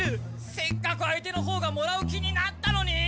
せっかく相手のほうがもらう気になったのに。